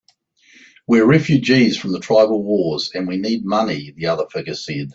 "We're refugees from the tribal wars, and we need money," the other figure said.